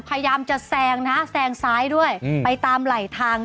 พยายามจะแซงนะแซงซ้ายด้วยไปตามไหลทาง